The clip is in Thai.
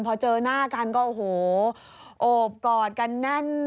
พอเจอหน้ากันก็โอบกอดกันนั่น